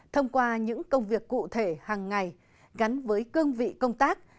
thông qua những công việc cụ thể hàng ngày gắn với cương vị công tác